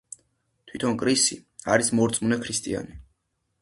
თვითონ კრისი არის მორწმუნე ქრისტიანი.